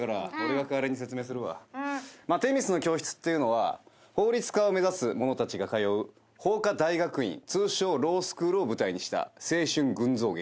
『女神の教室』っていうのは法律家を目指す者たちが通う法科大学院通称ロースクールを舞台にした青春群像劇。